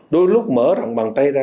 đôi lúc mở rộng bàn tay ra